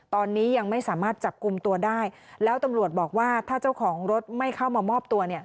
ตอนนี้ยังไม่สามารถจับกลุ่มตัวได้แล้วตำรวจบอกว่าถ้าเจ้าของรถไม่เข้ามามอบตัวเนี่ย